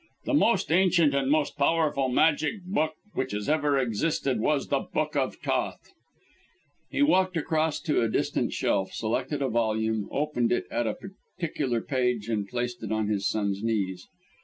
The most ancient and most powerful magical book which has ever existed was the Book of Thoth." He walked across to a distant shelf, selected a volume, opened it at a particular page, and placed it on his son's knees.